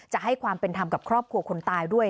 จะให้ความเป็นธรรมกับครอบครัวคนตายด้วย